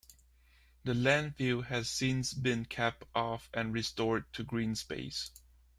The landfill has since been capped off and restored to green space.